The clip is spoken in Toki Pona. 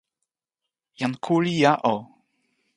jan Kulija o.